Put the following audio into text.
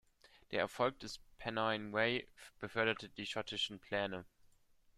Der Erfolg des Pennine Way beförderte die schottischen Pläne.